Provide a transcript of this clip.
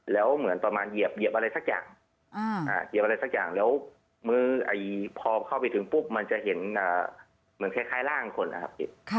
อแล้วเหมือนเมื่อเข้าไปถึงมันจะเห็นเหมือนคล้ายร่างคนนะครับ